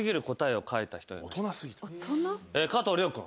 加藤諒君。